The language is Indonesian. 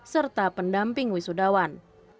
serta pendamping wisudawan